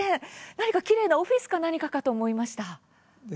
何かきれいなオフィスか何かかと思いました。